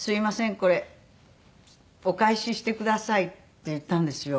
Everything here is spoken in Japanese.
これお返ししてください」って言ったんですよ。